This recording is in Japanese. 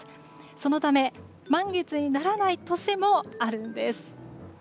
そのため、満月にならない年もあるんです。